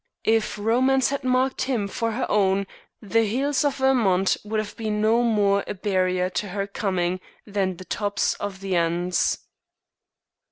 If Romance had marked him for her own the hills of Vermont would have been no more a barrier to her coming than the tops of the Andes.